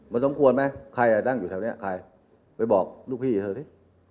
มันสมควรไหมใครอ่ะนั่งอยู่แถวนี้ใครไปบอกลูกพี่เธอสิ